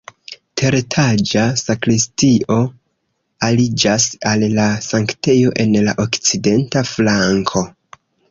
Teretaĝa sakristio aliĝas al la sanktejo en la okcidenta flanko.